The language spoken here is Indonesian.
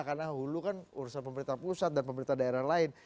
karena hulu kan urusan pemerintah pusat dan pemerintah daerah lain